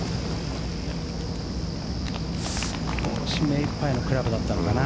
目いっぱいのクラブだったのかな。